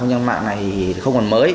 dân mạng này không còn mới